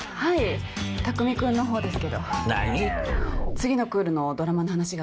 次のクールのドラマの話があって。